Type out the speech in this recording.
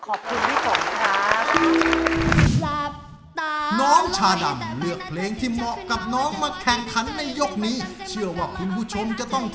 ขอบคุณพี่ฝนครับ